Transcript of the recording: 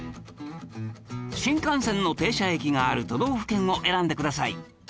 新幹線の停車駅がある都道府県を選んでください